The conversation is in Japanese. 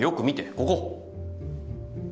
ここ。